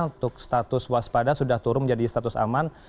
untuk status waspada sudah turun menjadi status aman